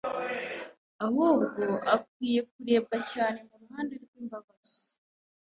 ahubwo akwiye kurebwa cyane mu ruhande rw’imbabazi